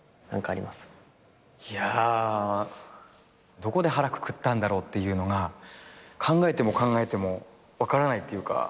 どこで腹くくったんだろうっていうのが考えても考えても分からないっていうか。